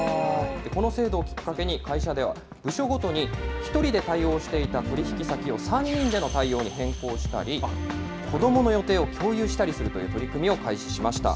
この制度をきっかけに、会社では部署ごとに、１人で対応していた取り引き先を３人での対応に変更したり、子どもの予定を共有したりするという取り組みを開始しました。